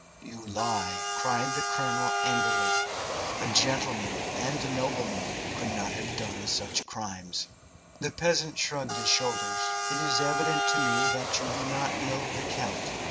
"You lie!" cried the colonel, angrily. "A gentleman and a nobleman could not have done such crimes." The peasant shrugged his shoulders. "It is evident to me that you do not know the count.